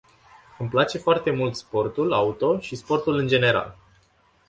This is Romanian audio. Îmi place foarte mult sportul auto și sportul în general.